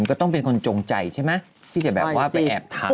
ก็ต้องเป็นคนจงใจใช่ไหมที่จะแบบว่าไปแอบทำ